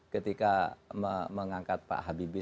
ketika mengangkat pak habibie